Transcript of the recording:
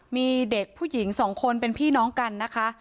มีเด็กผู้หญิงสองคนเป็นพี่น้องกันนะคะ